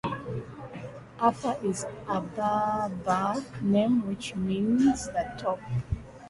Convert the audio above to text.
Anfa is a Berber name which means "the top".